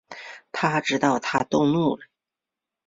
他知道她动怒了